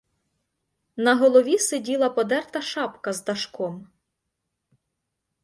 На голові сиділа подерта шапка з дашком.